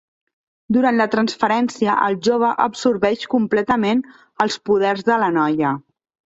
Durant la transferència el jove absorbeix completament els poders de la noia.